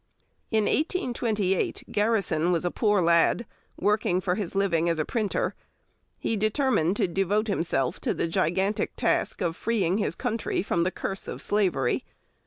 In 1828 Garrison was a poor lad, working for his living as a printer; he determined to devote himself to the gigantic task of freeing his country from the curse of slavery.